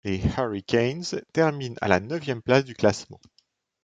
Les Hurricanes terminent à la neuvième place du classement.